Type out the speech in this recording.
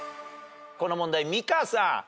この問題美香さん。